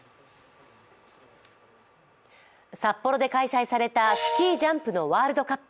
札幌で開催されたスキージャンプのワールドカップ。